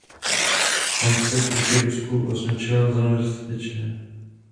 Sankce proti Rusku označil za nedostatečné.